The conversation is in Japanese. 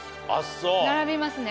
並びますね